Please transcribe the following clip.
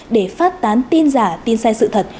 để phát tán tin giả tin sai sự thật